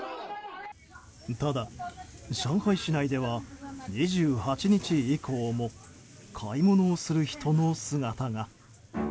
ただ、上海市内では２８日以降も買い物をする人の姿が。